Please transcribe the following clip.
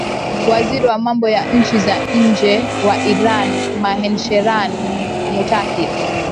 waziri wa mambo ya nchi za nje wa iran manseheran mutaki